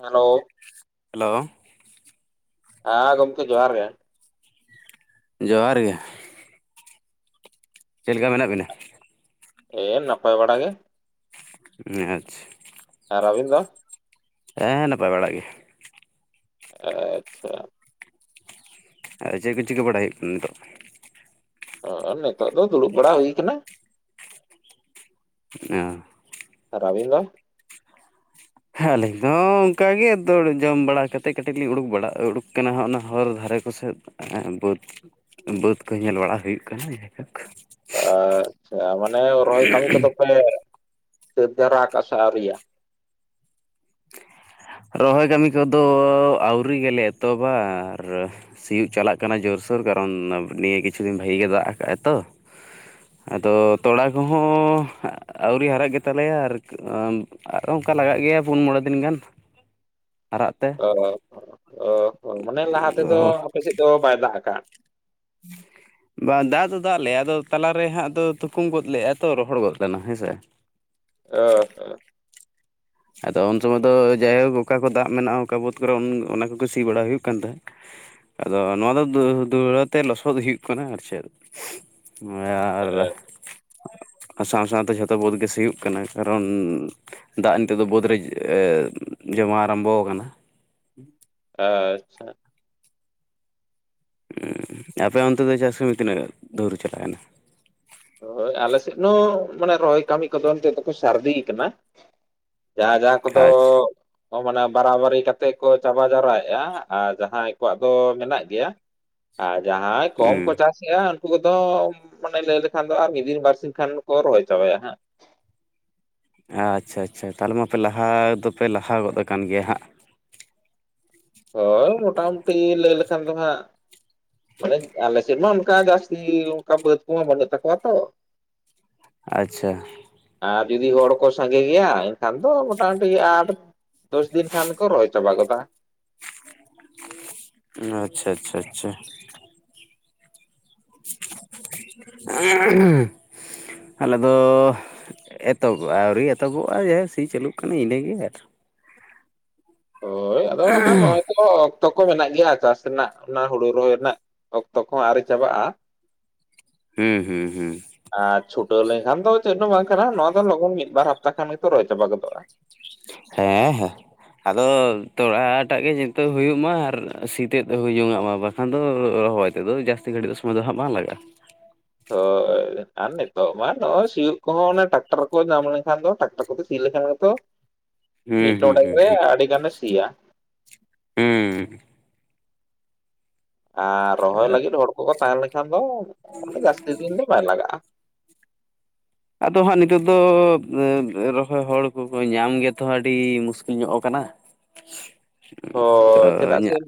Hello, hello, ᱟ ᱜᱚᱝᱠᱮ ᱡᱚᱦᱟᱨ ᱜᱮ ᱾ ᱡᱚᱦᱟᱨ ᱜᱮ ᱾ ᱪᱮᱞᱠᱟ ᱢᱮᱱᱟᱜ ᱵᱤᱱᱟ? ᱮ ᱱᱟᱯᱟᱭ ᱵᱟᱲᱟ ᱜᱮ ᱾ ᱟᱪ ᱟᱨ ᱟᱵᱤᱱ ᱫᱚ? ᱦᱮᱸ ᱱᱟᱯᱟᱭ ᱵᱟᱲᱟ ᱜᱮ ᱾ ᱟᱪᱪᱷᱟ, ᱟᱨ ᱪᱮᱜ ᱠᱚ ᱪᱤᱠᱟᱹ ᱵᱟᱲᱟᱭ ᱦᱩᱭᱩᱜ ᱠᱟᱱ ᱱᱤᱛᱚᱜ? ᱚ ᱱᱤᱛᱚᱜ ᱫᱚ ᱫᱩᱲᱩᱵ ᱵᱟᱲᱟ ᱦᱩᱭ ᱠᱟᱱᱟ ᱾ ᱚ ᱟᱨ ᱟᱵᱤᱱ ᱫᱚ? ᱦᱮᱸ ᱟᱹᱞᱤᱧ ᱦᱚ ᱚᱝᱠᱟᱜᱮ ᱫᱚᱨ ᱡᱚᱢ ᱵᱟᱲᱟ ᱠᱟᱛᱮᱫ ᱠᱟᱹᱴᱤᱡ ᱞᱤᱧ ᱩᱲᱩᱜ ᱵᱟᱲᱟ ᱩᱰᱩᱠ ᱠᱟᱱᱟ ᱦᱟᱜ ᱚᱱᱟ ᱦᱚᱨ ᱫᱷᱟᱨᱮ ᱠᱚᱥᱮᱫ ᱾ ᱮ ᱵᱟᱹᱫᱽ ᱵᱟᱹᱫᱽ ᱠᱚ ᱧᱮᱞ ᱵᱟᱲᱟ ᱦᱩᱭᱩᱜ ᱠᱟᱱᱟ [inaudible] ᱟᱪᱪᱷᱟ ᱢᱟᱱᱮ ᱨᱚᱦᱚᱭ ᱠᱟᱹᱢᱤ ᱠᱚᱫᱚ ᱯᱟᱞᱮᱜ ᱛᱟᱹᱛ ᱡᱟᱣᱨᱟ ᱟᱠᱟᱫᱼᱟ ᱥᱮ ᱟᱹᱣᱨᱤᱭᱟ? ᱨᱚᱦᱚᱭ ᱠᱟᱹᱢᱤ ᱠᱚᱫᱚ ᱟᱹᱣᱨᱤ ᱜᱮᱞᱮ ᱮᱛᱚᱵᱟ ᱟᱨ ᱥᱤᱭᱳᱜ ᱪᱟᱞᱟᱜ ᱠᱟᱱᱟ ᱡᱳᱨᱥᱳᱨ ᱠᱟᱨᱚᱱ ᱱᱤᱭᱟᱹ ᱠᱤᱪᱷᱩ ᱫᱤᱱ ᱵᱷᱟᱹᱜᱤ ᱜᱮ ᱫᱟᱜ ᱠᱟᱜᱟᱭ ᱛᱚ ᱾ ᱟᱫᱚ ᱛᱚᱲᱟ ᱠᱚᱦᱚᱸ ᱟᱹᱣᱨᱤ ᱦᱟᱨᱟᱜ ᱜᱮᱛᱟ ᱞᱮᱭᱟ ᱟᱨ ᱟᱢ ᱟᱨᱚᱸ ᱚᱝᱠᱟ ᱞᱟᱜᱟᱜ ᱜᱮᱭᱟ ᱯᱩᱱ ᱢᱚᱬᱮ ᱫᱤᱱ ᱜᱟᱱ ᱾ ᱚ ᱚ ᱢᱟᱱᱮ ᱞᱟᱦᱟ ᱛᱮᱫᱚ ᱟᱫᱚ ᱟᱯᱮ ᱥᱮᱫ ᱫᱚ ᱵᱟᱭ ᱫᱟᱜ ᱠᱟᱜᱼᱟ ᱾ [inaudible] ᱵᱟᱝ ᱫᱟᱜ ᱫᱚ ᱫᱟᱜ ᱞᱮᱭᱟ ᱟᱫᱚ ᱛᱟᱞᱟᱨᱮ ᱦᱟᱸᱜ ᱫᱚ ᱛᱩᱠᱩᱢ ᱜᱚᱫ ᱞᱮᱭᱟ ᱛᱚ ᱨᱚᱦᱚᱲ ᱜᱚᱫ ᱞᱮᱱᱟ ᱦᱮᱸᱥᱮ ᱾ ᱚ ᱾ ᱟᱫᱚ ᱩᱱ ᱥᱚᱢᱚᱭ ᱫᱚ ᱡᱟᱭᱦᱳᱠ ᱚᱠᱟ ᱠᱚ ᱫᱟᱜ ᱢᱮᱱᱟᱜᱼᱟ ᱚᱠᱟ ᱵᱟᱹᱫᱽ ᱠᱚᱨᱮ ᱩᱱ ᱚᱱᱟ ᱠᱚᱠᱚ ᱥᱤ ᱵᱟᱲᱟ ᱦᱩᱭᱩᱜ ᱠᱟᱱ ᱛᱟᱦᱮᱸᱫ ᱾ ᱟᱫᱚ ᱱᱚᱣᱟ ᱫᱚ [inaudible] ᱫᱩᱲᱟᱹ ᱛᱮ ᱞᱚᱥᱚᱫ ᱦᱩᱭᱩᱜ ᱠᱟᱱᱟ ᱟᱨ ᱪᱮᱫ ᱾ [inaudible] ᱮ, ᱟᱨ ᱾ ᱟᱨ ᱥᱟᱶ ᱥᱟᱶ ᱛᱮ ᱡᱷᱚᱛᱚ ᱵᱟᱹᱫᱽ ᱜᱮ ᱥᱤᱭᱳᱜ ᱠᱟᱱᱟ ᱠᱟᱨᱚᱱ [inaudible] ᱫᱟᱜ ᱾ ᱛᱚᱜ ᱫᱚ ᱵᱟᱹᱫᱽ ᱨᱮ [inaudible] ᱡᱚᱢᱟ ᱟᱨᱟᱢᱵᱚ ᱠᱟᱱᱟ ᱾ ᱟᱪᱷᱟ ᱾ [inaudible] ᱟᱯᱮ ᱚᱱᱛᱮ ᱫᱚ ᱪᱟᱥ ᱠᱟᱹᱢᱤ ᱛᱤᱱᱟᱹᱜ ᱫᱷᱳᱲ ᱪᱟᱞᱟᱣ ᱠᱟᱱᱟ? ᱦᱳᱭ ᱟᱞᱮ ᱥᱮᱫ ᱦᱚᱸ ᱢᱟᱱᱮ ᱨᱚᱦᱚᱭ ᱠᱟᱹᱢᱤ ᱠᱚᱫᱚ ᱱᱤᱛᱚᱜ ᱫᱚᱠᱚ ᱥᱟᱨᱫᱤ ᱠᱟᱱᱟ ᱾ ᱡᱟᱦᱟᱸ ᱡᱟᱦᱟᱸ ᱠᱚᱫᱚ ᱟᱪᱪᱷᱟ ᱾ ᱚ ᱢᱟᱱᱮ ᱵᱟᱨᱟᱵᱟᱨᱤ ᱠᱟᱛᱮᱫ ᱠᱚ ᱪᱟᱵᱟ ᱡᱟᱣᱨᱟᱭᱮᱜᱼᱟ ᱟᱨ ᱡᱟᱦᱟᱸᱭ ᱠᱚᱣᱟᱜ ᱫᱚ ᱢᱮᱱᱟᱜ ᱜᱮᱭᱟ ᱾ ᱟᱨ ᱡᱟᱦᱟᱸᱭ ᱠᱚᱢ ᱠᱚ ᱦᱩᱸ ᱪᱟᱥᱮᱜᱼᱟ ᱩᱱᱠᱩ ᱠᱚᱫᱚ ᱢᱟᱱᱮ ᱞᱟᱹᱭ ᱞᱤᱯ ᱾ ᱠᱷᱟᱱ ᱫᱚ ᱟᱨ ᱢᱤᱫᱤᱱ ᱵᱟᱨᱥᱤᱧ ᱠᱷᱟᱱ ᱫᱚ ᱠᱚ ᱨᱚᱦᱚᱭ ᱪᱟᱵᱟᱭᱟ ᱦᱟᱸᱜ ᱾ ᱟᱪᱷᱟ ᱟᱪᱷᱟ ᱛᱟᱞᱮ ᱢᱟᱯᱮ ᱞᱟᱦᱟ ᱫᱚᱯᱮ ᱞᱟᱦᱟ ᱜᱚᱫ ᱟᱠᱟᱱ ᱜᱮᱭᱟ ᱦᱟᱸᱜ? ᱦᱳᱭ ᱢᱚᱴᱟᱢᱩᱴᱤ ᱞᱟᱹᱭ ᱞᱮᱠᱷᱟᱱ ᱫᱚ ᱦᱟᱸᱜ ᱾ ᱢᱟᱱᱮᱡ ᱟᱞᱮ ᱥᱮᱫ ᱢᱟ ᱚᱱᱠᱟ ᱡᱟᱹᱥᱛᱤ ᱚᱱᱠᱟ ᱵᱟᱹᱫ ᱠᱚᱢᱟ ᱵᱟᱹᱱᱩᱜ ᱛᱟᱠᱚᱣᱟ ᱛᱚ ᱾ ᱟᱪᱪᱷᱟ ᱟᱨ ᱡᱩᱫᱤ ᱦᱚᱲ ᱠᱚ ᱥᱟᱸᱜᱮ ᱜᱮᱭᱟ ᱮᱱᱠᱷᱟᱱ ᱫᱚ ᱢᱚᱴᱟᱢᱩᱴᱤ ᱟᱴ ᱫᱚᱥ ᱫᱤᱱ ᱠᱷᱟᱱ ᱠᱚ ᱨᱚᱭ ᱪᱟᱵᱟᱜ ᱜᱚᱫᱟ᱾ ᱟᱪᱪᱷᱟ ᱟᱪᱪᱷᱟ ᱪᱷᱟ ᱾ [inaudible] ᱟᱞᱮ ᱫᱚ ᱮᱛᱚᱦᱚᱵ ᱟᱹᱣᱨᱤ ᱮᱛᱚᱦᱚᱵᱚᱜᱼᱟ ᱡᱟᱭᱤᱠ ᱥᱤ ᱪᱟᱹᱞᱩᱜ ᱠᱟᱱᱟ ᱤᱱᱟᱹᱜᱮ ᱟᱨ ᱦᱳᱭ ᱟᱫᱚ ᱦᱟᱸᱜ ᱱᱚᱜᱼᱚᱭ ᱛᱚ ᱛᱚ ᱠᱚ ᱢᱮᱱᱟᱜ ᱜᱮᱭᱟ ᱪᱟᱥ ᱨᱮᱱᱟᱜ ᱚᱱᱟ ᱦᱩᱲᱩ ᱨᱚᱦᱚᱭ ᱨᱮᱱᱟᱜ ᱚᱠᱛᱚ ᱠᱚᱦᱚᱸ ᱟᱨᱤ ᱪᱟᱵᱟᱜᱼᱟ ᱾ ᱦᱩᱸ ᱦᱩᱸ ᱦᱩᱸ ᱟᱸ ᱪᱷᱩᱴᱟᱹᱣ ᱞᱮᱱᱠᱷᱟᱱ ᱫᱚ ᱪᱮᱫ ᱫᱚ ᱵᱟᱝ ᱠᱟᱱᱟ ᱱᱚᱣᱟ ᱫᱚ ᱞᱚᱜᱚᱱ ᱢᱤᱫ ᱵᱟᱨ ᱦᱟᱯᱛᱟ ᱠᱷᱟᱱ ᱜᱮᱛᱚ ᱨᱚᱦᱚᱭ ᱪᱟᱵᱟ ᱜᱚᱫᱚᱜᱼᱟ ᱾ ᱦᱮᱸ ᱦᱮᱸ ᱾ ᱟᱫᱚ ᱛᱚᱲᱟᱴᱟᱜ ᱜᱮ ᱧᱤᱛᱚᱜ ᱦᱩᱭᱩᱜ ᱢᱟ ᱟᱨ ᱥᱤᱛᱮᱜ ᱦᱩᱭ [unintelligible] ᱠᱷᱟᱱ ᱫᱚ ᱨᱚᱦᱚᱭ ᱛᱮᱫᱚ ᱡᱟᱹᱥᱛᱤ ᱜᱷᱟᱹᱲᱤᱡ ᱫᱚ ᱥᱚᱢᱚᱭ ᱫᱚ ᱦᱟᱸᱜ ᱵᱟᱝ ᱞᱟᱜᱟᱜᱼᱟ ᱾ [inaudible] ᱟᱨ ᱱᱤᱛᱚᱜ ᱢᱟ ᱱᱚᱜᱼᱚᱭ ᱥᱤᱭᱳᱜ ᱠᱚᱦᱚᱸ ᱚᱱᱮ ᱴᱟᱠᱴᱟᱨ ᱠᱚ ᱧᱟᱢ ᱞᱮᱱᱠᱷᱟᱱ ᱫᱚ ᱴᱟᱠᱴᱟᱨ ᱠᱚ ᱛᱮ ᱥᱤ ᱞᱮᱠᱷᱟᱱ ᱜᱮᱛᱚ ᱦᱩᱸ ᱢᱤᱫ ᱦᱩᱸ ᱰᱚᱸᱰᱮ ᱦᱩᱸ ᱨᱮ ᱦᱩᱸ ᱟᱹᱰᱤ ᱜᱟᱱᱮ ᱥᱤᱭᱟ ᱾ ᱦᱩᱸ ᱟᱨ ᱨᱚᱦᱚᱭ ᱞᱟᱹᱜᱤᱫ ᱦᱚᱲ ᱠᱚᱠᱚ ᱛᱟᱦᱮᱸ ᱞᱮᱱᱠᱷᱟᱱ ᱫᱚ ᱟᱸᱰᱮ ᱡᱟᱹᱥᱛᱤ ᱫᱤᱱ ᱫᱚ ᱵᱟᱭ ᱞᱟᱜᱟᱜᱼᱟ ᱾ ᱟᱫᱚ ᱦᱟᱸᱜ ᱱᱤᱛᱚᱜ ᱫᱚ ᱣᱮ ᱨᱚᱦᱚᱭ ᱦᱚᱲ ᱠᱚᱠᱚ ᱧᱟᱢ ᱜᱮ ᱛᱚᱦ ᱟᱹᱰᱤ ᱢᱩᱥᱠᱤᱞ ᱧᱚᱜ ᱟᱠᱟᱱᱟ ᱾ [inaudible] ᱦᱚ ᱪᱮᱫᱟᱜ ᱥᱮ ᱤᱧᱟᱹᱜ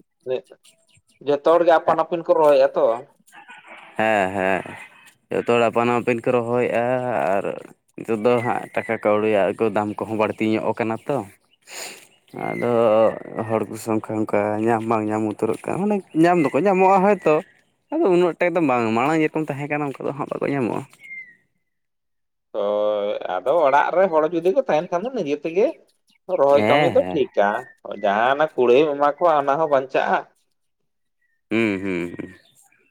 ᱡᱚᱛᱚ ᱦᱚᱲᱜᱮ ᱟᱯᱟᱱ ᱟᱹᱯᱤᱱ ᱠᱚ ᱨᱚᱦᱚᱭᱮᱜᱼᱟ ᱛᱚ ᱾ ᱦᱮᱸ ᱦᱮᱸ ᱡᱚᱛᱚ ᱦᱚᱲ ᱟᱯᱟᱱ ᱟᱯᱤᱱ ᱠᱚ ᱨᱚᱦᱚᱭᱮᱜᱼᱟ ᱟᱨ ᱱᱤᱛᱚᱜ ᱫᱚ ᱦᱟᱸᱜ ᱴᱟᱠᱟ ᱠᱟᱹᱣᱲᱟᱜ ᱠᱚ ᱫᱟᱢ ᱠᱚᱦᱚᱸ ᱵᱟᱹᱲᱛᱤ ᱧᱚᱜ ᱟᱠᱟᱱᱟ ᱛᱚ ᱾ [inaudible] ᱟᱫᱚ ᱦᱚᱲ ᱠᱚᱥᱚᱝᱠᱟᱱ ᱚᱝᱠᱟ ᱧᱟᱢ ᱵᱟᱝ ᱧᱟᱢ ᱩᱛᱟᱹᱨᱚᱜ ᱠᱟᱱᱟ ᱢᱟᱱᱮ ᱧᱟᱢ ᱫᱚᱠᱚ ᱧᱟᱢᱚᱜᱼᱟ ᱦᱚᱭᱛᱚ ᱾ ᱟᱫᱚ ᱩᱱᱟᱹᱜ ᱴᱟᱠ ᱫᱚ ᱵᱟᱝ ᱢᱟᱲᱟᱝ ᱡᱮᱠᱚᱢ ᱛᱟᱦᱮᱸ ᱠᱟᱱᱟ ᱩᱝᱠᱟ ᱫᱚ ᱦᱟᱸᱜ ᱵᱟᱠᱚ ᱧᱟᱢᱚᱜᱼᱟ ᱾ ᱚᱭ ᱟᱫᱚ ᱚᱲᱟᱜ ᱨᱮ ᱦᱚᱲ ᱡᱩᱫᱤ ᱠᱚ ᱛᱟᱦᱮᱱ ᱠᱷᱟᱱ ᱫᱚ ᱱᱤᱡᱮ ᱛᱮᱜᱮ ᱨᱚᱦᱚᱭ ᱦᱮᱸ ᱠᱟᱹᱢᱤ ᱫᱚ ᱦᱮᱸ ᱴᱷᱤᱠᱟ ᱡᱟᱦᱟᱸ ᱦᱟᱱᱟ ᱠᱩᱲᱟᱹᱭ ᱮᱢᱟ ᱠᱚᱣᱟ ᱚᱱᱟ ᱦᱚᱸ ᱵᱟᱧᱪᱟᱜᱼᱟ ᱾ ᱦᱩᱸ ᱦᱩᱸ ᱦᱩᱸ ᱾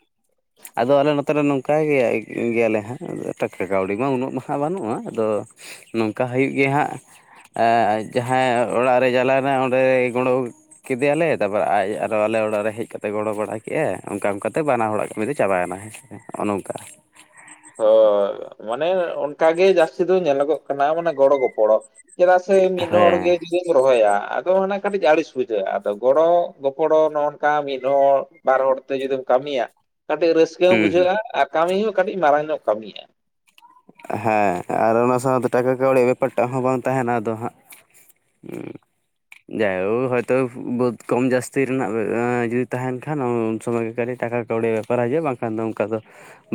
[inaudible] ᱟᱫᱚ ᱟᱞᱮ ᱱᱚᱛᱮᱨᱮ ᱱᱚᱝᱠᱟ ᱜᱮᱭᱟ ᱜᱮᱭᱟᱞᱮ ᱦᱟᱸᱜ ᱴᱟᱠᱟ ᱠᱟᱹᱣᱰᱤ ᱢᱟ ᱩᱱᱟᱹᱜ ᱢᱟ ᱦᱟᱜ ᱵᱟᱹᱱᱩᱜᱼᱟ ᱟᱫᱚ ᱱᱚᱝᱠᱟ ᱦᱩᱭᱩᱜ ᱜᱮᱭᱟ ᱦᱟᱸᱜ ᱮ ᱡᱟᱦᱟᱸ ᱚᱲᱟᱜ ᱨᱮ ᱪᱟᱞᱟᱣᱱᱟ ᱚᱸᱰᱮ ᱜᱩᱬᱳ ᱠᱮᱫᱮᱭᱟᱞᱮ ᱛᱟᱯᱚᱨᱮ ᱟᱡ ᱟᱨᱚ ᱟᱞᱮ ᱚᱲᱟᱜ ᱨᱮ ᱦᱮᱡ ᱠᱟᱛ ᱛᱮ ᱜᱚᱲᱚ ᱵᱟᱲᱟ ᱠᱮᱜᱼᱟᱭ ᱚᱝᱠᱟ ᱚᱝᱠᱟ ᱛᱮ ᱵᱟᱱᱟ ᱦᱚᱲᱟᱜ ᱠᱟᱹᱢᱤ ᱫᱚ ᱪᱟᱵᱟᱭᱮᱱᱟ ᱦᱮᱸᱥᱮ ᱚᱱᱮ ᱚᱝᱠᱟ᱾ ᱦᱳ ᱢᱟᱱᱮ ᱚᱱᱠᱟᱜ ᱜᱮ ᱡᱟᱹᱥᱛᱤ ᱫᱚ ᱧᱮᱞᱚᱜᱚᱜ ᱠᱟᱱᱟ ᱢᱟᱱᱮ ᱜᱚᱲᱚ ᱜᱚᱯᱚᱲᱚ᱾ ᱪᱮᱫᱟᱜ ᱥᱮ ᱢᱤᱫ ᱦᱟᱲ ᱜᱮ ᱦᱮᱸ ᱡᱩ ᱫᱤᱢ ᱨᱚᱦᱚᱭᱟ ᱟᱫᱚ ᱚᱱᱮ ᱠᱟᱹᱴᱤᱡ ᱟᱹᱲᱤᱥ ᱵᱩᱡᱷᱟᱹᱜᱼᱟ ᱟᱫᱚ ᱜᱚᱲᱚ ᱜᱚᱯᱚᱲᱚ ᱱᱚᱝᱠᱟ ᱢᱤᱫ ᱦᱚᱲᱚ ᱵᱟᱨ ᱦᱚᱲᱛᱮ ᱡᱩᱫᱤᱢ ᱠᱟᱹᱢᱤᱭᱟ ᱠᱟᱹᱴᱤᱡ ᱨᱟᱹᱥᱠᱟᱹ ᱦᱚᱸ ᱦᱩᱸ ᱦᱩᱸ ᱵᱩᱡᱷᱟᱹᱜᱼᱟ ᱟᱨ ᱠᱟᱹᱢᱤ ᱦᱚᱸ ᱠᱟᱹᱴᱤᱡ ᱢᱟᱨᱟᱝ ᱧᱚᱜ ᱠᱟᱹᱢᱤᱜᱼᱟ᱾ ᱦᱮᱸ, ᱟᱨ ᱚᱱᱟ ᱥᱟᱶᱛᱮ ᱴᱟᱠᱟ ᱠᱟᱹᱣᱲᱤ ᱵᱮᱯᱟᱨ ᱴᱟᱜ ᱦᱚᱸ ᱵᱟᱝ ᱛᱟᱦᱮᱱᱟ ᱟᱫᱚ ᱦᱟᱸᱜ [inaudible] ᱡᱟᱭᱦᱳ ᱦᱚᱭᱛᱚ ᱵᱟᱹᱫ ᱠᱚᱢ ᱡᱟᱹᱥᱛᱤ ᱨᱮᱱᱟᱜ ᱮᱸ ᱡᱩᱫᱤ ᱛᱟᱦᱮᱱ ᱠᱷᱟᱱ ᱩᱱ ᱥᱚᱢᱚᱭ ᱜᱮ ᱠᱷᱟᱹᱞᱤ ᱴᱟᱠᱟ ᱠᱟᱹᱣᱰᱤ ᱵᱮᱯᱟᱨ ᱦᱤᱡᱩᱜᱼᱟ ᱵᱟᱝᱠᱷᱟᱱ ᱫᱚ ᱚᱝᱠᱟ ᱫᱚ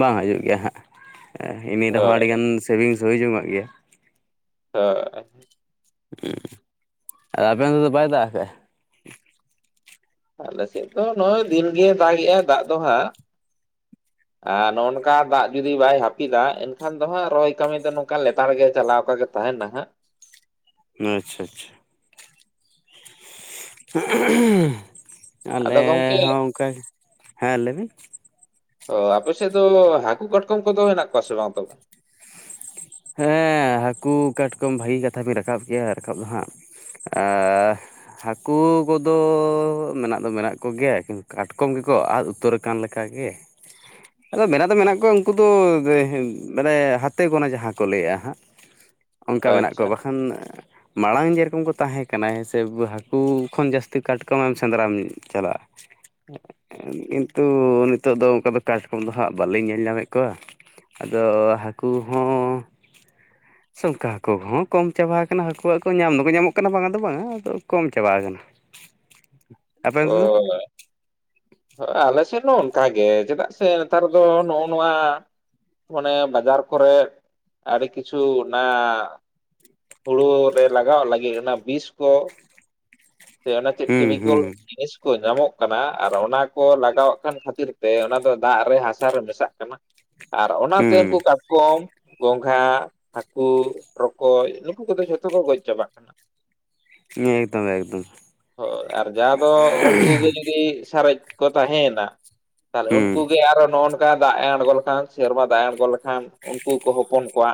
ᱵᱟᱝ ᱦᱤᱡᱩᱜ ᱜᱮᱭᱟ ᱦᱟᱸᱜ ᱮ ᱤᱱ ᱦᱚᱸ ᱦᱳᱭ ᱟᱹᱰᱤ ᱜᱟᱱ ᱥᱮᱵᱷᱤᱝ ᱥᱩᱭ ᱡᱚᱝᱟᱜ ᱜᱮᱭᱟ᱾ [inaudible] ᱩᱸ ᱟᱨ ᱟᱵᱮᱱ ᱫᱚ ᱵᱟᱭ ᱫᱟᱜ ᱠᱟᱜᱼᱟᱭ? ᱟᱞᱮ ᱥᱮᱫ ᱫᱚ ᱱᱚᱜᱼᱚᱭ ᱫᱤᱱᱜᱮ ᱫᱟᱜ ᱮᱜᱟᱭ ᱫᱟᱜ ᱫᱚ ᱦᱟᱸᱜ᱾ ᱟᱨ ᱱᱝᱚᱭ ᱱᱚᱝᱠᱟ ᱫᱟᱜ ᱡᱩᱫᱤ ᱵᱟᱭ ᱦᱟᱹᱯᱤᱫᱟ ᱮᱱᱠᱷᱟᱱ ᱫᱚ ᱦᱟᱸᱜ ᱨᱚᱦᱚᱭ ᱠᱟᱹᱢᱤ ᱫᱚ ᱱᱚᱝᱠᱟ ᱞᱮᱛᱟᱲᱜᱮ ᱪᱟᱞᱟᱣ ᱠᱟᱜᱮ ᱛᱟᱦᱮᱸᱱᱟ ᱦᱟᱸᱜ᱾ ᱟᱪᱪᱷᱟ ᱟᱪᱪᱷᱟ᱾ ᱟᱞᱮ ᱟᱫᱚ ᱜᱚᱝᱠᱮ ᱦᱚᱸ ᱚᱝᱠᱟ ᱦᱮᱸ ᱞᱟᱹᱭᱵᱤᱱ᱾ ᱚ ᱟᱯᱮ ᱥᱮᱫ ᱫᱚ ᱦᱟᱹᱠᱩ ᱠᱟᱴᱠᱚᱢ ᱠᱚᱫᱚ ᱦᱮᱸᱱᱟᱜ ᱠᱚᱣᱟ ᱥᱮ ᱵᱟᱝ ᱛᱚᱵᱮ? ᱦᱮᱸ ᱦᱟᱹᱠᱩ ᱠᱟᱴᱠᱚᱢ ᱵᱷᱟᱜᱤ ᱠᱟᱛᱷᱟ ᱵᱮᱱ ᱨᱟᱠᱟᱵ ᱠᱮᱜ-ᱟ ᱨᱟᱠᱟᱵ ᱫᱚ ᱦᱟᱸᱜ, ᱟᱦ᱾ ᱦᱟᱹᱠᱩ ᱠᱚᱫᱚ ᱢᱮᱱᱟᱜ ᱫᱚ ᱢᱮᱱᱟᱜ ᱠᱚᱜᱮᱭᱟ, ᱠᱤᱱᱛᱩ ᱠᱟᱴᱠᱚᱢ ᱜᱮᱠᱚ ᱟᱫ ᱩᱛᱟᱹᱨ ᱠᱟᱱ ᱞᱮᱠᱟᱜᱮ, ᱟᱫᱚ ᱢᱮᱱᱟᱜ ᱫᱚ ᱢᱮᱱᱟᱜ ᱠᱚᱭᱮᱣᱟ ᱩᱱᱠᱩ ᱫᱚ ᱢᱟᱱᱮ ᱦᱟᱛᱮ ᱜᱤᱱᱟ ᱡᱟᱦᱟᱸ ᱠᱚ ᱞᱟᱹᱭᱟ ᱦᱟᱸᱜ ᱚᱱᱠᱟ ᱢᱮᱱᱟᱜ ᱟᱪᱪᱷᱟ ᱠᱚᱣᱟ, ᱵᱟᱠᱷᱟᱱ ᱢᱟᱲᱟᱝ ᱡᱮᱨᱚᱠᱚᱢ ᱠᱚ ᱛᱟᱦᱮᱸ ᱠᱟᱱᱟ ᱦᱮᱸᱥᱮ ᱦᱟᱹᱠᱩ ᱠᱷᱚᱱ ᱡᱟᱹᱥᱛᱤ ᱠᱟᱴᱠᱚᱢ ᱮᱢ ᱥᱮᱸᱫᱽᱨᱟᱢ ᱪᱟᱞᱟᱜᱼᱟ᱾ ᱠᱤᱱᱛᱩ ᱱᱤᱛᱚᱜ ᱫᱚ ᱚᱱᱠᱟ ᱫᱚ ᱠᱟᱡᱠᱚᱢ ᱫᱚ ᱦᱟᱸᱜ ᱵᱟᱹᱞᱤᱧ ᱧᱮᱞ ᱧᱟᱢᱮᱫ ᱠᱚᱣᱟ᱾ ᱟᱫᱚ ᱦᱟᱹᱠᱩ ᱦᱚᱸ ᱥᱝᱠᱟ ᱦᱟᱹᱠᱩ ᱠᱚᱦᱚᱸ ᱠᱚᱢ ᱪᱟᱵᱟ ᱠᱟᱱᱟ ᱦᱟᱹᱠᱩ ᱠᱚ ᱧᱟᱢ ᱫᱚᱠᱚ ᱧᱟᱢᱚᱜ ᱠᱟᱱᱟ ᱵᱟᱝᱟ ᱫᱚ ᱵᱟᱝᱟ ᱟᱫᱚ ᱠᱚᱢ ᱪᱟᱵᱟ ᱠᱟᱱᱟ᱾ ᱚ᱾ ᱦᱳᱭ ᱟᱞᱮ ᱥᱮᱱ ᱦᱚᱸ ᱚᱱᱠᱟ ᱜᱮ ᱪᱮᱫᱟᱜ ᱥᱮ ᱱᱮᱛᱟᱨ ᱫᱚ ᱱᱚᱜᱼ ᱱᱚᱣᱟ ᱚᱱᱮ ᱵᱟᱡᱟᱨ ᱠᱚᱨᱮᱜ ᱟᱹᱰᱤ ᱠᱤᱪᱷᱩ ᱚᱱᱟ ᱦᱩᱲᱩ ᱨᱮ ᱞᱟᱜᱟᱣ ᱞᱟᱹᱜᱤᱫ ᱚᱱᱟ ᱵᱤᱥ ᱠᱚ ᱥᱮ ᱚᱱᱮ ᱪᱮᱫ ᱦᱩᱸ ᱠᱮᱢᱤᱠᱮᱞ ᱦᱩᱸ ᱠᱚ ᱡᱤᱱᱤᱥ ᱠᱚ ᱧᱟᱢᱚᱜ ᱠᱟᱱᱟ, ᱟᱨ ᱚᱱᱟ ᱠᱚ ᱞᱟᱜᱟᱣᱟᱜ ᱠᱟᱱ ᱠᱷᱟᱹᱛᱤᱨ ᱛᱮ ᱚᱱᱟ ᱫᱚ ᱫᱟᱜ ᱨᱮ ᱦᱟᱥᱟ ᱨᱮ ᱢᱮᱥᱟᱜ ᱠᱟᱱᱟ᱾ ᱟᱨ ᱚᱱᱟᱛᱮ ᱩᱝᱠᱩ ᱠᱟᱴᱠᱚᱢ ᱜᱚᱝᱜᱷᱟ, ᱦᱟᱹᱠᱩ, ᱨᱚᱠᱚᱡ ᱱᱩᱠᱩ ᱠᱚᱫᱚ ᱡᱷᱚᱛᱚ ᱠᱚ ᱜᱚᱡ ᱪᱟᱵᱟᱜ ᱠᱟᱱᱟ᱾ ᱮᱠᱫᱚᱢ ᱮᱠᱫᱚᱢ᱾ ᱠᱚ ᱩᱱᱠᱩ ᱜᱮ ᱡᱩᱫᱤ ᱥᱟᱨᱮᱡ ᱠᱚ ᱛᱟᱦᱮᱸᱭᱮᱱᱟ ᱛᱟᱦᱚᱞᱮ ᱩᱱᱠᱩ ᱦᱩᱸ ᱜᱮ ᱟᱨᱚ ᱦᱟᱸ ᱱᱚᱜᱼᱚ ᱱᱚ ᱠᱟ ᱫᱟᱜ ᱮ ᱟᱬᱜᱚ ᱞᱮᱠᱷᱟᱱ ᱥᱮᱨᱢᱟ ᱫᱟᱜ ᱮ ᱟᱬᱜᱚ ᱞᱮᱠᱷᱟᱱ ᱩᱱᱠᱩ ᱠᱚ ᱦᱚᱯᱚᱱ ᱠᱚᱣᱟ᱾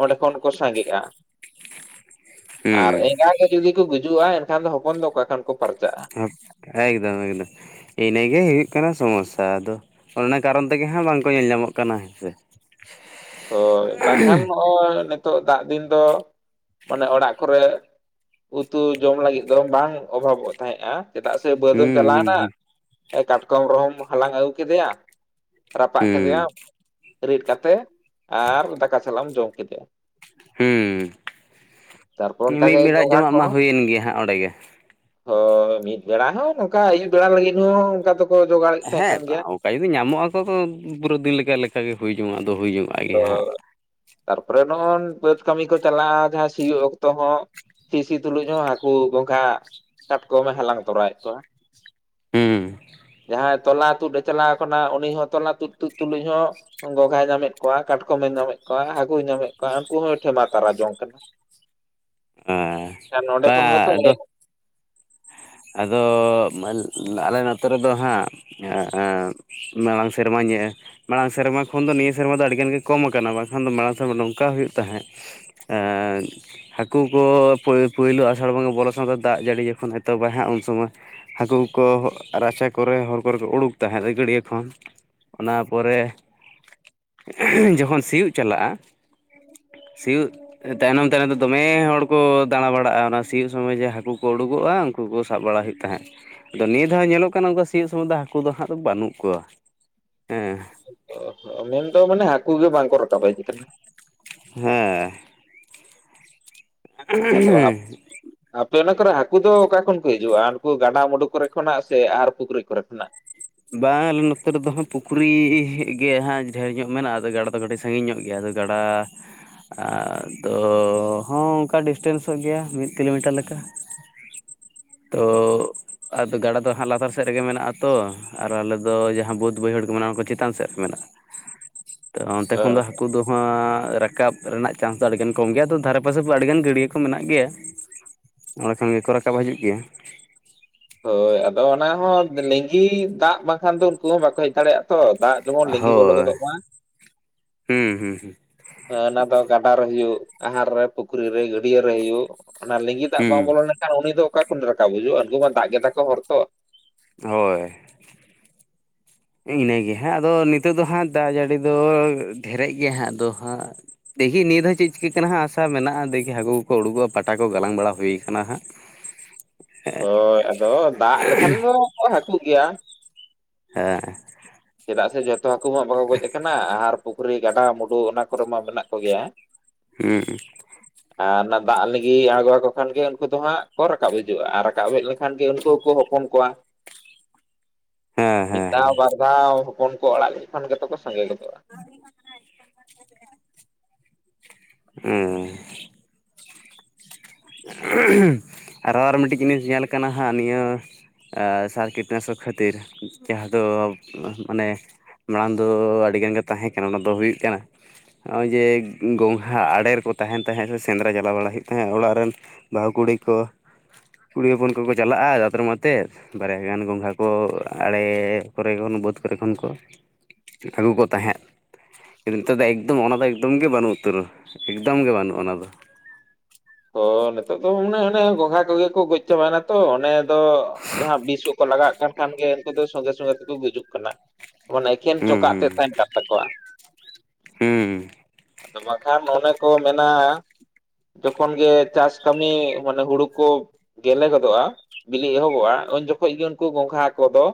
ᱚᱸᱰᱮ ᱠᱷᱚᱱ ᱠᱚ ᱥᱟᱸᱜᱮᱜᱼᱟ᱾ ᱟᱨ ᱦᱩᱸ ᱮᱸᱜᱟ ᱜᱮ ᱡᱩᱫᱤ ᱠᱚ ᱜᱩᱡᱩᱜᱼᱟ ᱮᱱᱠᱷᱟᱱ ᱫᱚ ᱦᱚᱯᱚᱱ ᱫᱚ ᱚᱠᱟ ᱠᱷᱟᱱ ᱠᱚ ᱯᱟᱨᱪᱟᱜᱼᱟ᱾ ᱦᱮᱸ ᱮᱠᱫᱚᱢ ᱮᱠᱫᱚᱢ᱾ ᱤᱱᱟᱹᱜᱮ ᱦᱩᱭᱩᱜ ᱠᱟᱱᱟ ᱥᱚᱢᱚᱥᱟ, ᱟᱫᱚ ᱚᱱᱮ ᱚᱱᱟ ᱠᱟᱨᱚᱱ ᱛᱮᱜᱮ ᱦᱟᱸᱜ ᱵᱟᱝᱠᱚ ᱧᱮᱞ ᱧᱟᱢᱚᱜ ᱠᱟᱱᱟ ᱦᱮᱸᱥᱮ᱾ ᱦᱳᱭ ᱵᱟᱝᱠᱷᱟᱱ ᱱᱚᱜᱼᱚᱭ ᱱᱤᱛᱳ ᱫᱟᱜ ᱫᱤᱱ ᱫᱚ ᱢᱟᱱᱮ ᱚᱲᱟᱜ ᱠᱚᱨᱮ ᱩᱛᱩ ᱡᱚᱢ ᱞᱟᱹᱜᱤᱫ ᱫᱚ ᱵᱟᱝ ᱚᱵᱷᱟᱵᱚᱜ ᱛᱟᱦᱮᱸᱱᱟ ᱪᱮᱫᱟᱜ ᱥᱮ ᱵᱟᱹᱫ ᱮᱢ ᱦᱩᱸ ᱪᱟᱞᱟᱣᱱᱟ, ᱦᱩᱸ ᱮ ᱠᱟᱴᱠᱚᱢ ᱨᱮᱦᱚᱸᱢ ᱦᱟᱞᱟᱝ ᱟᱹᱜᱩ ᱠᱮᱫᱮᱭᱟ ᱨᱟᱯᱟᱜ ᱦᱩᱸ ᱠᱮᱫᱮᱭᱟᱢ ᱨᱤᱫ ᱠᱟᱛᱮᱜ ᱟᱨ ᱫᱟᱠᱟ ᱥᱟᱞᱟᱜ ᱮᱢ ᱡᱚᱢ ᱠᱮᱫᱮᱭᱟ᱾ ᱛᱟᱨᱯᱚᱨ ᱦᱩᱸ ᱢᱤᱫ ᱚᱱᱠᱟᱜᱮ ᱵᱮᱲᱟ ᱜᱚᱸᱜᱷᱟ ᱡᱚᱢᱟᱜ ᱢᱟ ᱠᱚᱦᱚᱸ ᱦᱩᱭᱮᱱ ᱜᱮᱭᱟ ᱦᱟᱸᱜ ᱚᱸᱰᱮ ᱜᱮ᱾ ᱦᱳᱭ ᱢᱤᱫ ᱵᱮᱲᱟ ᱦᱚᱸ ᱱᱚᱝᱠᱟ ᱟᱭᱩᱵ ᱵᱮᱲᱟ ᱞᱟᱹᱜᱤᱫ ᱦᱚᱸ ᱚᱝᱠᱟ ᱫᱚ ᱦᱮᱸ ᱚᱠᱟ ᱡᱩᱫᱤ ᱧᱟᱢᱚᱜ ᱟᱠᱟ ᱛᱚ ᱯᱩᱨᱟᱹ ᱫᱤᱱ ᱞᱮᱠᱟ ᱞᱮᱠᱟ ᱜᱮ ᱦᱩᱭ ᱡᱚᱝᱜ ᱫᱚ ᱦᱩᱭ ᱡᱚᱝᱼᱟ᱾ ᱚ ᱛᱟᱨᱯᱚᱨᱮ ᱱᱚᱜᱼᱚᱱ ᱵᱟᱹᱫᱽ ᱠᱟᱹᱢᱤ ᱠᱚ ᱪᱟᱞᱟᱜᱼᱟ ᱡᱟᱦᱟᱸ ᱥᱤᱭᱳᱜ ᱚᱠᱛᱚ ᱦᱚᱸ, ᱴᱤᱥᱤ ᱛᱩᱞᱩᱡ ᱦᱚᱸ ᱦᱳᱠᱳ ᱜᱚᱸᱝᱜᱷᱟ ᱠᱟᱴᱚᱠᱚᱢ ᱮ ᱦᱟᱞᱟᱝ ᱛᱚᱨᱟᱣᱮᱫ ᱠᱚᱣᱟ ᱾ ᱦᱩᱸ᱾ ᱡᱟᱦᱟᱸᱭ ᱛᱚᱞᱟ ᱛᱩᱫ ᱮ ᱪᱟᱞᱟᱣ ᱠᱟᱱᱟ ᱩᱱᱤ ᱦᱚᱸ ᱛᱚᱞᱟ ᱛᱩᱫ ᱛᱩᱫ ᱛᱩᱞᱩᱡ ᱦᱚᱸ ᱜᱚᱸᱝᱜᱷᱟᱭ ᱧᱟᱢᱮᱜ ᱠᱚᱣᱟ ᱠᱟᱴᱠᱚᱢᱮ ᱧᱟᱢᱮᱜ ᱠᱚᱣᱟ, ᱦᱟᱠᱳᱭ ᱧᱟᱢᱮᱜ ᱠᱚᱣᱟ ᱩᱱᱠᱩ ᱦᱚᱸᱭ ᱴᱷᱮᱢᱟ ᱛᱟᱨᱟ ᱡᱚᱝ ᱠᱟᱱᱟ᱾ ᱟᱨ ᱾ ᱱᱚᱰᱮ ᱵᱟ ᱠᱷᱚᱱ ᱜᱮᱛᱚ [inaudible] ᱟᱫᱚ ᱟᱫᱚ ᱢᱟᱹᱞ ᱟᱞᱮ ᱱᱚᱛᱮ ᱨᱮᱫᱚ ᱦᱟᱸᱜ ᱟᱸ ᱢᱟᱲᱟᱝ ᱥᱮᱨᱢᱟ ᱧᱮ ᱢᱟᱲᱟᱝ ᱥᱮᱨᱢᱟ ᱠᱷᱚᱱ ᱫᱚ ᱱᱤᱭᱟᱹ ᱥᱮᱨᱢᱟ ᱫᱚ ᱟᱹᱰᱤ ᱜᱟᱱ ᱜᱮ ᱠᱚᱢ ᱟᱠᱟᱱᱟ ᱵᱟᱝᱠᱷᱟᱱ ᱫᱚ ᱢᱟᱲᱟᱝ ᱥᱮᱨᱢᱟ ᱱᱚᱝᱠᱟ ᱦᱩᱭᱩᱜ ᱛᱟᱦᱮᱸᱜ ᱮᱸ ᱦᱟᱹᱠᱩ ᱠᱚ ᱯᱩᱭ ᱯᱩᱭᱞᱩ ᱟᱥᱟᱲ ᱵᱚᱸᱜᱟ ᱵᱚᱞᱚ ᱥᱟᱶᱛᱮ ᱫᱟᱜ ᱡᱟᱹᱲᱤ ᱡᱚᱠᱷᱚᱱ ᱮᱛᱚᱵᱭ ᱦᱟᱸᱜ ᱩᱱ ᱥᱩᱢᱚᱭ ᱦᱟᱹᱠᱩ ᱠᱚ ᱨᱟᱪᱟ ᱠᱚᱨᱮ ᱦᱚᱨ ᱠᱚᱨᱮ ᱠᱚ ᱳᱰᱳᱠ ᱛᱟᱸᱦᱮᱸᱫ ᱨᱟᱹᱜᱟᱹᱨᱤᱭᱟᱹ ᱠᱷᱚᱱ, ᱚᱱᱟ ᱯᱚᱨᱮ ᱡᱚᱠᱷᱚᱱ ᱥᱤᱭᱩᱜ ᱪᱟᱞᱟᱜᱼᱟ ᱥᱤᱭᱩᱜ ᱛᱟᱭᱱᱚᱢ ᱛᱟᱭᱱᱚᱢ ᱛᱮ ᱫᱚᱢᱮ ᱦᱚᱲ ᱠᱚ ᱫᱟᱬᱟ ᱵᱟᱲᱟᱜᱼᱟ ᱚᱱᱟ ᱥᱤᱭᱩᱜ ᱥᱩᱢᱚᱭ ᱡᱮ ᱦᱟᱹᱠᱩ ᱠᱚ ᱳᱰᱳᱜᱚᱜᱼᱟ ᱦᱟᱹᱠᱩ ᱠᱚ ᱥᱟᱵ ᱵᱟᱲᱟ ᱦᱩᱭᱩᱜ ᱛᱟᱸᱦᱮᱫ ᱟᱫᱚ ᱱᱤᱭᱟᱹ ᱫᱷᱟᱣ ᱧᱮᱞᱚᱜ ᱠᱟᱱᱟ ᱚᱱᱠᱟ ᱥᱤᱭᱩᱜ ᱥᱩᱢᱚᱭ ᱫᱚ ᱦᱟᱹᱠᱩ ᱫᱚ ᱦᱟᱸᱜ ᱫᱚ ᱵᱟᱹᱱᱩᱜ ᱠᱚᱣᱟ, ᱦᱮᱸ ᱾ ᱚ ᱢᱮᱱᱫᱚ ᱢᱟᱱᱮ ᱦᱟᱠᱩ ᱜᱮ ᱵᱟᱝᱠᱚ ᱨᱟᱠᱟᱵ ᱦᱮᱡ ᱟᱠᱟᱱᱟ ᱾ ᱦᱮᱸ᱾ ᱟᱫᱚ [unintelligible] ᱟᱯᱮ ᱚᱱᱟ ᱠᱚᱨᱮ ᱦᱟᱠᱩ ᱫᱚ ᱚᱠᱟ ᱠᱷᱚᱱ ᱠᱚ ᱦᱤᱡᱩᱜᱼᱟ ᱩᱱᱠᱩ ᱜᱟᱰᱟ ᱢᱩᱰᱩ ᱠᱚᱨᱮ ᱠᱷᱚᱱᱟᱜ ᱥᱮ ᱟᱦᱟᱨ ᱯᱩᱠᱷᱨᱤ ᱠᱚᱨᱮ ᱠᱷᱚᱱᱟᱜ ᱾ ᱵᱟᱝ ᱟᱞᱮ ᱱᱚᱛᱮ ᱨᱮᱫᱚ ᱦᱟᱸᱜ ᱯᱩᱠᱷᱨᱤ ᱜᱮ ᱦᱟᱸᱜ ᱡᱷᱟᱹᱞ ᱧᱚᱜ ᱢᱮᱱᱟᱜᱼᱟ ᱟᱫᱚ ᱜᱟᱰᱟ ᱫᱚ ᱠᱟᱹᱴᱤᱡ ᱥᱟᱺᱜᱤᱧ ᱧᱚᱜ ᱜᱮᱭᱟ ᱟᱫᱚ ᱜᱟᱰᱟ ᱟᱫᱚ ᱦᱚᱸ ᱚᱱᱠᱟ ᱰᱤᱥᱴᱮᱱᱥᱚᱜ ᱜᱮᱭᱟ ᱢᱤᱫ ᱠᱤᱞᱚᱢᱤᱴᱟᱨ ᱞᱮᱠᱟ ᱾ [inaudible] ᱛᱚ ᱟᱫᱚ ᱜᱟᱰᱟ ᱫᱚ ᱦᱟᱸᱜ ᱞᱟᱛᱟᱨ ᱥᱮᱫ ᱨᱮᱜᱮ ᱢᱮᱱᱟᱜ ᱟᱛᱚ ᱟᱨ ᱟᱞᱮ ᱫᱚ ᱡᱟᱸᱦᱟᱸ ᱵᱟᱹᱫᱽ ᱵᱟᱹᱭᱦᱟᱹᱲ ᱠᱚ ᱢᱮᱱᱟᱜᱼᱟ ᱚᱱᱟᱠᱚ ᱪᱮᱛᱟᱱ ᱥᱮᱫ ᱨᱮ ᱢᱮᱱᱟᱜᱼᱟ ᱛᱚ ᱚᱱᱛᱮ ᱠᱷᱚᱱ ᱫᱚ ᱚ ᱦᱟᱹᱠᱩ ᱫᱚᱸ ᱦᱟᱸᱜ ᱨᱟᱠᱟᱵ ᱨᱮᱱᱟᱜ ᱪᱟᱱᱥ ᱫᱚ ᱟᱹᱰᱤᱜᱟᱱ ᱠᱚᱢ ᱜᱮᱭᱟ ᱟᱫᱚ ᱫᱷᱟᱨᱮ ᱯᱟᱥᱮ ᱟᱹᱰᱤᱜᱟᱱ ᱜᱟᱹᱰᱤᱭᱟᱹ ᱠᱚ ᱢᱮᱱᱟᱜ ᱜᱮᱭᱟ [inaudible] ᱚᱸᱱᱰᱮ ᱠᱷᱚᱱ ᱜᱮᱠᱚ ᱨᱟᱠᱟᱵ ᱦᱤᱡᱩᱜ ᱜᱮᱭᱟ ᱾ ᱦᱳᱭ ᱟᱫᱚ ᱚᱱᱟ ᱦᱚᱸ ᱞᱤᱸᱜᱤ ᱫᱟᱜ ᱵᱟᱝᱠᱷᱟᱱ ᱫᱚ ᱩᱱᱠᱩ ᱦᱚᱸ ᱵᱟᱠᱚ ᱦᱮᱡ ᱫᱟᱲᱮᱭᱟᱜᱼᱟ ᱛᱚ ᱾ ᱦᱳᱭ ᱦᱩᱸ ᱦᱩᱸ ᱦᱩᱸ ᱾ ᱦᱳᱭ ᱚᱱᱟ ᱫᱚ ᱜᱟᱰᱟ ᱨᱮ ᱦᱩᱭᱩᱜ ᱟᱦᱟᱨ ᱨᱮ ᱯᱩᱠᱷᱨᱤ ᱨᱮ ᱜᱟᱹᱰᱤᱭᱟᱹ ᱨᱮ ᱦᱩᱭᱩᱜ ᱚᱱᱟ ᱞᱤᱸᱜᱤ ᱫᱟᱜ ᱦᱩᱸ ᱵᱟᱝ ᱵᱚᱞᱚᱞᱮᱱ ᱮᱠᱷᱟᱱ ᱩᱱᱤ ᱫᱚ ᱚᱠᱟ ᱠᱷᱚᱱ ᱨᱟᱠᱟᱵ ᱦᱤᱡᱩᱜᱼᱟ ᱩᱱᱠᱩ ᱢᱟ ᱫᱟᱜᱽ ᱜᱮ ᱛᱟᱠᱚ ᱦᱚᱨ ᱛᱚ ᱾ ᱦᱳᱭ ᱾ ᱤᱱᱟᱹᱜᱮ ᱦᱟᱸᱜ ᱟᱫᱚ ᱱᱤᱛᱚᱜ ᱫᱚ ᱦᱟᱸᱜ ᱫᱟᱜ ᱡᱟᱹᱲᱤ ᱫᱚ ᱰᱷᱮᱨᱮᱜᱽ ᱜᱮᱭᱟ ᱦᱟᱸᱜ ᱟᱫᱚ ᱦᱟᱸᱜ ᱫᱮᱠᱷᱤ ᱱᱤᱭᱟᱹ ᱫᱷᱟᱣ ᱪᱮᱫ ᱪᱤᱠᱟᱹᱜ ᱠᱟᱱᱟ ᱟᱥᱟ ᱢᱮᱱᱟᱜᱼᱟ ᱫᱮᱠᱷᱤ ᱦᱟᱹᱠᱩ ᱠᱚᱠᱚ ᱚᱰᱳᱜᱚᱜᱼᱟ ᱯᱟᱴᱟ ᱠᱚ ᱜᱟᱞᱟᱝ ᱵᱟᱲᱟ ᱦᱩᱭᱠᱟᱱᱟ ᱦᱟᱸᱜ ᱾ ᱦᱳᱭ ᱟᱫᱚ ᱫᱟᱜ ᱞᱮᱠᱷᱟᱱ ᱫᱚ ᱦᱟᱹᱠᱩᱜ ᱜᱮᱭᱟ ᱾ ᱦᱮᱸ ᱾ ᱪᱮᱫᱟᱜ ᱥᱮ ᱡᱚᱛᱚ ᱦᱟᱹᱠᱩ ᱢᱟ ᱵᱟᱠᱚ ᱜᱚᱡ ᱠᱟᱱᱟ ᱟᱦᱟᱨ, ᱯᱩᱠᱷᱨᱤ ᱜᱟᱰᱟᱢᱩᱰᱩ ᱚᱱᱟ ᱠᱚᱨᱮ ᱢᱟ ᱢᱮᱱᱟᱜ ᱠᱚᱜᱮᱭᱟ ᱾ ᱦᱩᱸ᱾ [inaudible] ᱟᱨ ᱚᱱᱟ ᱫᱟᱜ ᱞᱤᱸᱜᱤ ᱟᱬᱜᱳᱣᱟᱠᱚ ᱠᱷᱟᱱ ᱜᱮ ᱩᱱᱠᱩ ᱫᱚ ᱦᱟᱸᱜ ᱠᱚ ᱨᱟᱠᱟᱵ ᱦᱤᱡᱩᱜᱼᱟ ᱟᱨ ᱨᱟᱠᱟᱵ ᱦᱮᱡ ᱞᱮᱱᱠᱷᱟᱱ ᱜᱮ ᱩᱱᱠᱩ ᱠᱩ ᱦᱚᱯᱚᱱ ᱠᱚᱣᱟᱱ ᱦᱮᱸ ᱢᱤᱫ ᱦᱮᱸ ᱫᱷᱟᱣ ᱦᱮᱸ ᱵᱟᱨ ᱫᱷᱟᱣ ᱦᱚᱯᱚᱱ ᱠᱚ ᱟᱲᱟᱜ ᱞᱮᱠᱷᱟᱱ ᱜᱮᱛᱚ ᱠᱚ ᱥᱟᱺᱜᱮ ᱜᱚᱫᱚᱜᱼᱟ ᱾ ᱦᱮᱸ ᱾ ᱟᱨᱚ ᱟᱨ ᱢᱤᱫᱴᱮᱱ ᱡᱤᱱᱤᱥ ᱧᱮᱞ ᱟᱠᱟᱱᱟ ᱦᱟᱸᱜ ᱱᱤᱭᱟᱹ ᱟ ᱥᱟᱨ ᱠᱤᱴᱱᱟᱥᱚᱠ ᱠᱷᱟᱹᱛᱤᱨ ᱡᱟᱸᱦᱟᱸ ᱫᱚ ᱢᱟᱱᱮ ᱢᱟᱲᱟᱝ ᱫᱚ ᱟᱹᱰᱤᱜᱟᱱ ᱜᱮ ᱛᱟᱸᱦᱮᱸ ᱠᱟᱱᱟ ᱚᱱᱟ ᱫᱚ ᱦᱩᱭᱩᱜ ᱠᱟᱱᱟ ᱱᱚᱜᱼᱚᱭ ᱡᱮ ᱜᱚᱝᱜᱷᱟ ᱟᱲᱮᱨᱮᱠᱚ ᱛᱟᱦᱮᱱ ᱛᱟᱦᱮᱸᱫ ᱥᱮ ᱥᱮᱸᱫᱽᱨᱟ ᱪᱟᱞᱟᱣ ᱵᱟᱲᱟ ᱦᱩᱭᱩᱜ ᱛᱟᱦᱮᱸᱫ ᱚᱲᱟᱜ ᱨᱮᱱ ᱵᱟᱹᱦᱩ ᱠᱩᱲᱤ ᱠᱚ ᱠᱩᱲᱤ ᱦᱚᱯᱚᱱ ᱠᱚᱠᱚ ᱪᱟᱞᱟᱜᱼᱟ ᱫᱟᱛᱨᱚᱢ ᱟᱛᱮᱫ ᱵᱟᱨᱭᱟ ᱜᱟᱱ ᱜᱚᱸᱜᱷᱟ ᱠᱚ ᱟᱲᱮ ᱠᱚᱨᱮ ᱠᱷᱚᱱ ᱵᱟᱹᱫᱽ ᱠᱚᱨᱮ ᱠᱷᱚᱱ ᱠᱚ ᱟᱹᱜᱩ ᱠᱚ ᱛᱟᱦᱮᱸᱫ ᱾ ᱱᱮᱛᱟᱨ ᱫᱚ ᱮᱠᱫᱚᱢ ᱚᱱᱟ ᱫᱚ ᱮᱠᱫᱚᱢ ᱜᱮ ᱵᱟᱹᱱᱩᱜ ᱩᱛᱟᱹᱨᱟ ᱮᱠᱫᱚᱢ ᱜᱮ ᱵᱟᱹᱱᱩᱜ-ᱟ ᱚᱱᱟ ᱫᱚ ᱾ ᱚ ᱱᱤᱛᱚᱜ ᱫᱚ ᱚᱱᱮ ᱚᱱᱮ ᱜᱚᱝᱜᱷᱟ ᱠᱚᱜᱮ ᱠᱚ ᱜᱚᱡ ᱪᱟᱵᱟᱭᱱᱟ ᱛᱚ ᱚᱱᱮ ᱫᱚ ᱡᱟᱦᱟᱸ ᱵᱤᱥᱚᱜ ᱠᱚ ᱞᱟᱜᱟᱟᱜ ᱠᱟᱱ ᱠᱷᱟᱱ ᱜᱮ ᱩᱱᱠᱩ ᱫᱚ ᱥᱚᱸᱜᱮ ᱥᱚᱸᱜᱮ ᱛᱮᱠᱚ ᱜᱩᱡᱩᱜ ᱠᱟᱱᱟ ᱢᱟᱱᱮ ᱮᱠᱮᱱ ᱪᱚᱠᱟᱜ ᱦᱩᱸ ᱛᱮᱜ ᱛᱟᱦᱮᱱ ᱠᱟᱱ ᱛᱟᱠᱚᱣᱟ, ᱦᱩᱸ ᱟᱫᱚ ᱵᱟᱠᱷᱟᱱ ᱚᱱᱮ ᱠᱚ ᱢᱮᱱᱟ ᱡᱚᱠᱷᱚᱱ ᱜᱮ ᱪᱟᱥ ᱠᱟᱹᱢᱤ ᱢᱟᱱᱮ ᱦᱩᱲᱩ ᱠᱚ ᱜᱮᱞᱮ ᱜᱚᱫᱚᱜ-ᱟ ᱵᱤᱞᱤ ᱮᱦᱚᱵᱚᱜ-ᱟ ᱩᱱ ᱡᱚᱠᱷᱚᱡ ᱜᱮ ᱩᱱᱠᱩ ᱜᱚᱝᱜᱷᱟ ᱠᱚᱫᱚ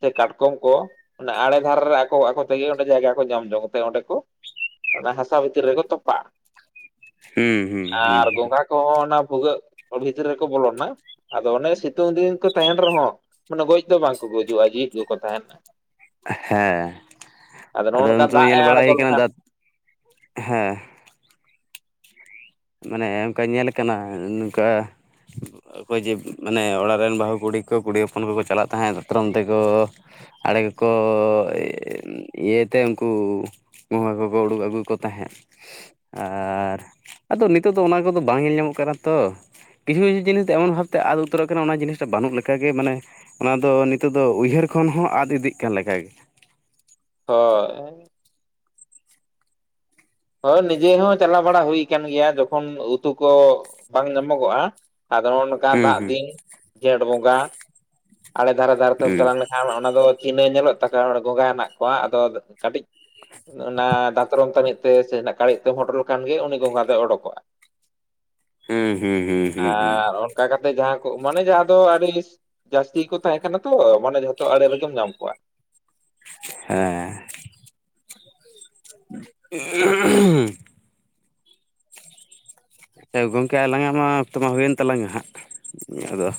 ᱥᱮ ᱠᱟᱴᱠᱚᱢ ᱠᱚ ᱚᱱᱟ ᱟᱲᱮ ᱫᱷᱟᱨᱮ ᱨᱮ ᱟᱠᱚ ᱟᱠᱚ ᱛᱮᱜᱮ ᱚᱸᱰᱮ ᱡᱟᱭᱜᱟ ᱠᱚ ᱧᱟᱢ ᱡᱚᱝ ᱛᱮ ᱚᱸᱰᱮ ᱠᱚ ᱚᱱᱟ ᱦᱟᱸᱥᱟ ᱵᱷᱤᱛᱤᱨ ᱨᱮᱜᱮ ᱛᱚᱯᱟᱜ-ᱟ ᱾ ᱦᱩᱸ ᱾ ᱟᱨ ᱜᱚᱸᱜᱷᱟ ᱠᱚᱦᱚᱸ ᱚᱱᱟ ᱵᱷᱩᱜᱟᱹᱜ ᱵᱷᱤᱛᱨᱤ ᱨᱮᱠᱚ ᱵᱚᱞᱚᱱᱟ ᱾ ᱟᱫᱚ ᱚᱱᱮ ᱥᱤᱛᱩᱝ ᱫᱤᱱ ᱠᱚ ᱛᱟᱦᱮᱱ ᱨᱮᱦᱚᱸ ᱢᱟᱱᱮ ᱜᱚᱡ ᱫᱚ ᱵᱟᱝᱠᱚ ᱜᱩᱡᱩᱜ-ᱟ ᱡᱤᱣᱤᱡ ᱜᱮᱠᱚ ᱛᱟᱦᱮᱱᱟ ᱾ ᱦᱮᱸ ᱱᱚᱜᱼᱚ ᱟᱫᱚ ᱩᱱ ᱱᱚᱝᱠᱟ ᱥᱚᱢᱚᱭ ᱫᱟᱜ ᱮ ᱧᱮᱞ ᱵᱟᱲᱟ ᱟᱬᱜᱚ ᱦᱩᱭ ᱠᱟᱱᱟ ᱞᱮᱠᱷᱟᱱ ᱫᱟᱜ, ᱦᱮᱸ ᱾ ᱢᱟᱱᱮ ᱚᱱᱠᱟ ᱧᱮᱞ ᱠᱟᱱᱟ ᱱᱚᱝᱠᱟ [unintelligible] ᱚᱠᱚᱭ ᱡᱮ ᱢᱟᱱᱮ ᱚᱲᱟᱜ ᱨᱮᱱ ᱵᱟᱹᱦᱩ ᱠᱩᱲᱤ ᱠᱚ ᱠᱩᱲᱤ ᱦᱚᱯᱚᱱ ᱠᱚ ᱠᱚ ᱪᱟᱞᱟᱜ ᱛᱟᱦᱮᱸᱫ ᱫᱟᱛᱨᱚᱢ ᱛᱮᱠᱚ ᱟᱲᱮ ᱠᱚ ᱠᱚ ᱤᱭᱟᱹᱭ ᱛᱮ ᱩᱱᱠᱩ ᱜᱚᱝᱜᱦᱟ ᱠᱚ ᱠᱚ ᱩᱰᱩᱠ ᱟᱹᱜᱩ ᱠᱚ ᱛᱟᱦᱮᱸᱫ ᱟᱨ ᱟᱫᱚ ᱱᱤᱛᱚᱜ ᱫᱚ ᱚᱱᱟ ᱠᱚᱫᱚ ᱵᱟᱝ ᱧᱮᱞ ᱧᱟᱢᱚᱜ ᱠᱟᱱᱟ ᱛᱚ ᱾ ᱠᱤᱪᱷᱩ ᱠᱤᱪᱷ ᱡᱤᱱᱤᱥ ᱫᱚ ᱮᱢᱚᱱ ᱵᱷᱟᱵ ᱛᱮ ᱟᱫ ᱩᱛᱟᱹᱨᱚᱜ ᱠᱟᱱᱟ ᱚᱱᱟ ᱡᱤᱱᱤᱥᱴᱟᱜ ᱵᱟᱹᱱᱩᱜ ᱞᱮᱠᱟ ᱜᱮ ᱢᱟᱱᱮ ᱚᱱᱟ ᱫᱚ ᱱᱤᱛᱚᱜ ᱫᱚ ᱩᱭᱦᱟᱹᱨ ᱠᱷᱚᱱ ᱦᱚᱸ ᱟᱫ ᱤᱫᱤᱜ ᱠᱟᱱ ᱞᱮᱠᱟ ᱜᱮ ᱾ ᱦᱳᱭ ᱾ ᱦᱳᱭ ᱱᱤᱡᱮ ᱦᱚᱸ ᱪᱟᱞᱟᱣ ᱵᱟᱲᱟ ᱦᱩᱭᱩ ᱟᱠᱟᱱ ᱜᱮᱭᱟ ᱡᱚᱠᱷᱚᱱ ᱩᱛᱩ ᱠᱚ ᱵᱟᱝ ᱧᱟᱢᱚᱜᱚᱜ-ᱟ ᱾ ᱟᱫᱚ ᱱᱚᱜ-ᱚ ᱱᱚᱝᱠᱟ ᱦᱩᱸ ᱫᱟᱜ ᱦᱩᱸ ᱫᱤᱱ ᱡᱷᱮᱸᱴ ᱵᱚᱸᱜᱟ ᱟᱲᱮ ᱫᱷᱟᱨᱮ ᱫᱷᱟᱨᱮ ᱛᱮᱢ ᱦᱩᱸ ᱪᱟᱞᱟᱣ ᱞᱮᱱᱠᱷᱟᱱ ᱚᱱᱟ ᱫᱚ ᱪᱤᱱᱦᱟᱹ ᱧᱮᱞᱚᱜ ᱛᱟᱠᱚᱣᱟ ᱚᱸᱰᱮ ᱜᱚᱝᱜᱟ ᱦᱮᱱᱟᱜ ᱠᱚᱣᱟ ᱟᱫᱚ ᱠᱟᱹᱴᱤᱡ ᱚᱱᱟ ᱫᱟᱛᱨᱚᱢ ᱛᱟᱹᱱᱤᱡ ᱛᱮ ᱥᱮ ᱠᱟᱲᱮᱡ ᱛᱮᱢ ᱦᱚᱴᱚᱨ ᱞᱮᱠᱷᱟᱱ ᱜᱮ ᱩᱱᱤ ᱜᱚᱝᱜᱟ ᱫᱚᱭ ᱚᱰᱳᱚᱠᱚᱜ-ᱟ ᱾ ᱦᱩᱸ ᱦᱩᱸ ᱦᱩᱸ ᱦᱩᱸ ᱦᱩᱸ ᱟᱨ ᱚᱱᱠᱟ ᱠᱟᱛᱮ ᱡᱟᱦᱟᱸ ᱠᱚ ᱢᱟᱱᱮ ᱡᱟᱦᱟᱸ ᱫᱚ ᱟᱹᱰᱤ ᱡᱟᱹᱥᱛᱤ ᱠᱚ ᱛᱟᱦᱮᱸ ᱠᱟᱱᱟ ᱛᱚ ᱢᱟᱱᱮ ᱡᱷᱚᱛᱚ ᱟᱲᱮ ᱨᱮᱜᱮᱢ ᱧᱟᱢ ᱠᱚᱣᱟ ᱾ ᱦᱮᱸ ᱾ [unintelligible] ᱮ ᱜᱚᱢᱠᱮ ᱟᱞᱟᱝ-ᱟᱜ ᱢᱟ ᱚᱠᱛᱚ ᱢᱟ ᱦᱩᱭᱮᱱ ᱛᱟᱞᱟᱝᱟ ᱦᱟᱸᱜ ᱟᱫᱚ ᱾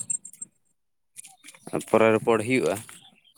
ᱯᱚᱨᱮ ᱨᱚᱯᱚᱲ ᱦᱩᱭᱩᱜ-ᱟ ᱾